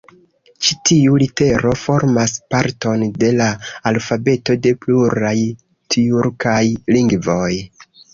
Ĉi tiu litero formas parton de la alfabeto de pluraj tjurkaj lingvoj.